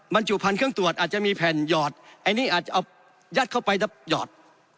บรรจุภัณฑ์เครื่องตรวจอาจจะมีแผ่นหยอดอันนี้อาจจะเอายัดเข้าไปแล้วหยอด